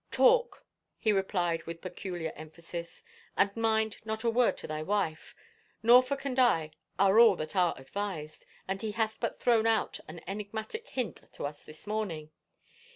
" Talk," he replied with peculiar emphasis. " And mind, not a word to thy wife. Norfolk and I are all that are advised — and he hath but thrown out an enigmatic hint to us this morning.